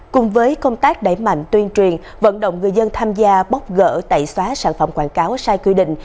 cùng với công tác đẩy mạnh tuyên truyền vận động người dân tham gia bóc gỡ tẩy xóa sản phẩm quảng cáo sai quy định